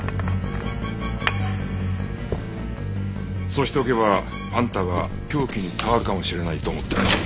そうしておけばあんたが凶器に触るかもしれないと思ったらしい。